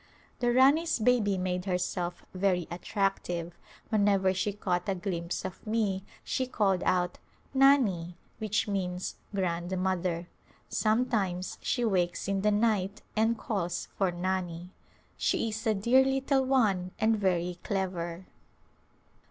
The Rani's baby made herself very attractive; whenever she caught a glimpse of me she called out " Nani " which means "grandmother." Sometimes she wakes in the night and calls for Nani. She is a dear little one and very clever.